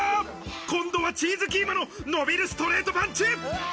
今度はチーズキーマの伸びるストレートパンチ！